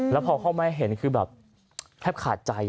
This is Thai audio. แล้วพอพ่อแม่เห็นคือแบบแทบขาดใจ